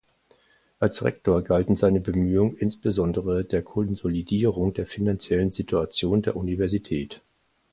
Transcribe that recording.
Als Rektor galten seine Bemühungen insbesondere der Konsolidierung der finanziellen Situation der Universität.